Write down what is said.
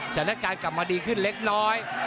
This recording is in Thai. สถานการณ์กลับมาดีขึ้นเล็กน้อย